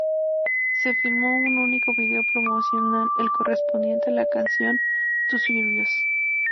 Se filmó un único vídeo promocional, el correspondiente a la canción "To Sirius".